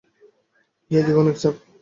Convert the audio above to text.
চারদিকে অনেক চাপ।